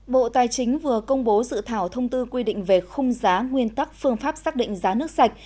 bộ tài chính vừa công bố dự thảo thông tư quy định về khung giá nguyên tắc phương pháp xác định giá nước sạch